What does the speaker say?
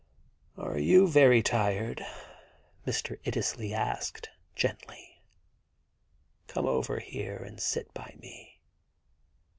* Are you very tired ?' Mr. Iddesleigh asked gently. * Come over here and sit by me.'